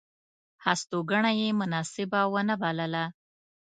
هستوګنه یې مناسبه ونه بلله.